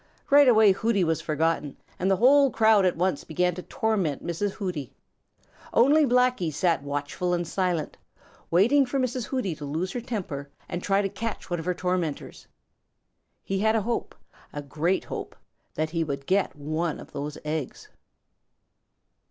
Right away Hooty was forgotten, and the whole crowd at once began to torment Mrs. Hooty. Only Blacky sat watchful and silent, waiting for Mrs. Hooty to lose her temper and try to catch one of her tormentors. He had hope, a great hope, that he would get one of those eggs.